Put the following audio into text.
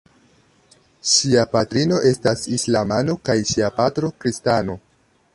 Ŝia patrino estas islamano kaj ŝia patro kristano.